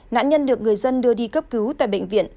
nạn nhân được người dân đưa đi cấp cứu tại bệnh viện